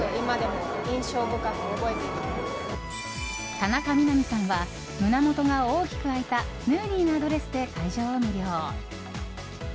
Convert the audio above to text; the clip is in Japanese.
田中みな実さんは胸元が大きく開いたヌーディーなドレスで会場を魅了。